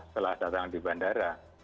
setelah datang di bandara